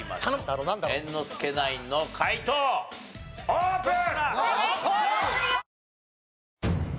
猿之助ナインの解答オープン！